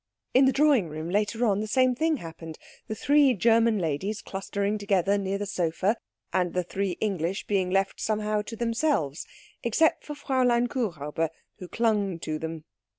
In the drawing room later on, the same thing happened, the three German ladies clustering together near the sofa, and the three English being left somehow to themselves, except for Fräulein Kuhräuber, who clung to them.